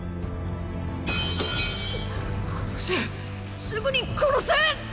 殺せすぐに殺せ！